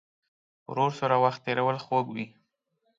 ورور سره وخت تېرول خوږ وي.